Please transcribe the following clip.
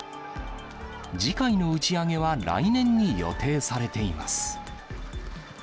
次回の打ち上げは来年に予定されています。